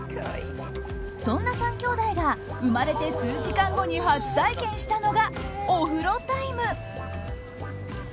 そんな３きょうだいが生まれて数時間後に初体験したのがお風呂タイム！